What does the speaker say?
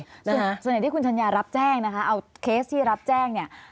คือส่วนใหญ่ที่คุณชัญญารับแจ้งนะคะเอาเคสที่รับแจ้งเนี่ย